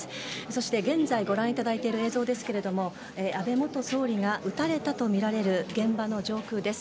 そして、現在ご覧いただいている映像ですけれども安倍元総理が撃たれたとみられる現場の上空です。